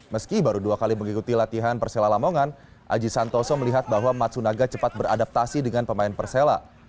meski baru dua kali mengikuti latihan persela lamongan aji santoso melihat bahwa matsunaga cepat beradaptasi dengan pemain persela